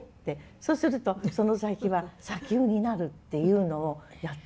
そうするとその先は砂丘になるっていうのをやったわけね。